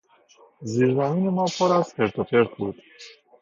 زیرزمین ما پر از خرت و پرت بود.